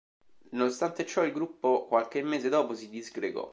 Nonostante ciò, il gruppo, qualche mese dopo si disgregò.